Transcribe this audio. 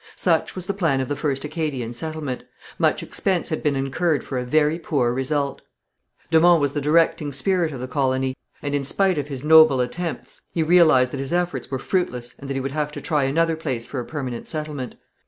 Such was the plan of the first Acadian settlement. Much expense had been incurred for a very poor result. De Monts was the directing spirit of the colony, and in spite of his noble attempts, he realized that his efforts were fruitless and that he would have to try another place for a permanent settlement.